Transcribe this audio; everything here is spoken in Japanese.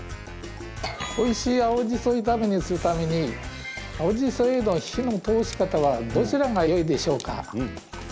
おいしい青じそ炒めにするために青じそへの火の通し方はどちらがよいでしょうか？